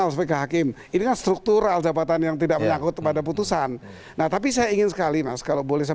sehingga tidak mutlak